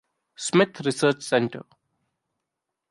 Smith Research Center.